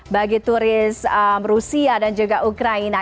bagi turis rusia dan juga ukraina